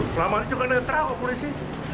selama ini juga netral ke polisi